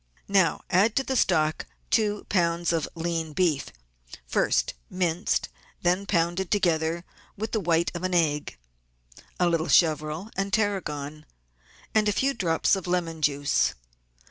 Now add to the stock two lbs. of lean beef (first minced and then pounded together with the white of an egg), a little chervil and tarragon, and a few drops of lemon juice.